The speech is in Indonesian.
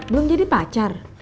belum jadi pacar